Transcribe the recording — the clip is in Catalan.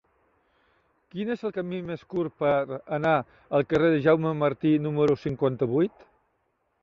Quin és el camí més curt per anar al carrer de Jaume Martí número cinquanta-vuit?